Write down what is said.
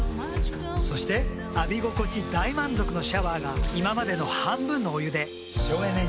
そして浴び心地大満足のシャワーが今までの半分のお湯で省エネに。